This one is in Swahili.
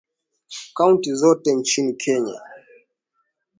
Kaunti zote nchini Kenya